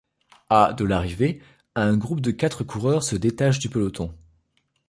À de l'arrivée, un groupe de quatre coureurs se détache du peloton.